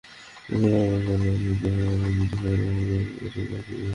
RAB জানায়, মাহমুদ স্বনামধন্য মিডিয়ায় নিয়োগ করা হবে মর্মে পত্রিকায় বিজ্ঞাপন দেন।